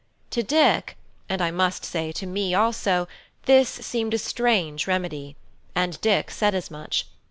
To Dick, and I must say to me also, this seemed a strange remedy; and Dick said as much.